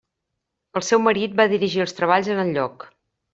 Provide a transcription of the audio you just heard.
El seu marit va dirigir els treballs en el lloc.